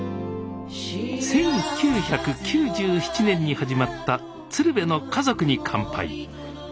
１９９７年に始まった「鶴瓶の家族に乾杯」。